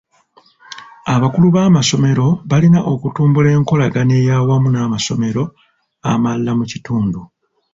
Abakulu b'amasomero balina okutumbula enkolagana ey'awamu n'amasomero amalala mu kitundu.